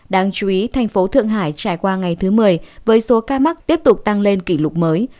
đáng chú ý thành phố thượng hải trải qua ngày thứ một mươi với số ca mắc tiếp tục tăng lên kỷ lục mới